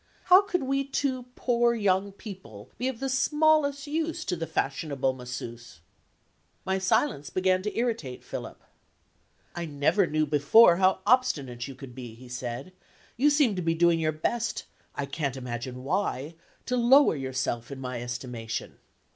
How could we two poor young people be of the smallest use to the fashionable Masseuse? My silence began to irritate Philip. "I never knew before how obstinate you could be," he said; "you seem to be doing your best I can't imagine why to lower yourself in my estimation."